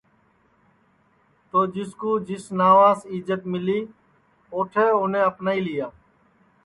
تو جس کُو جس ناوم عزت ملی اوٹھے اُنونے اپنائی لیا